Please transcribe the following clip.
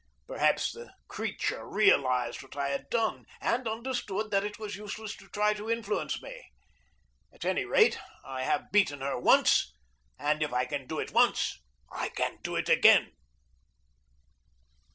Perhaps the creature realized what I had done, and understood that it was useless to try to influence me. At any rate, I have beaten her once, and if I can do it once, I can do it again.